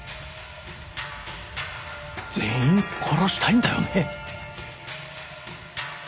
全員殺したいんだよねぇ。